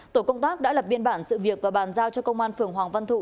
tổ công tác đã lập biên bản sự việc và bàn giao cho công an phường hoàng văn thụ